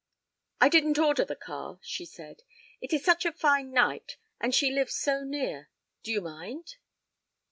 "I didn't order the car," she said. "It is such a fine night, and she lives so near. Do you mind?"